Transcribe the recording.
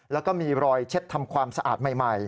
แล้วก็มีรอยเช็ดทำความสะอาดใหม่